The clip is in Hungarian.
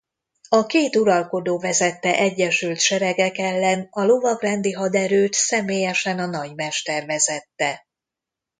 A két uralkodó vezette egyesült seregek ellen a lovagrendi haderőt személyesen a nagymester vezette.